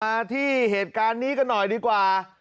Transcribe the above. มาที่เหตุการณ์นี้กันหน่อยดีกว่า